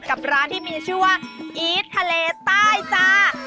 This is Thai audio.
กับร้านที่มีชื่อว่าอีททะเลใต้จ้า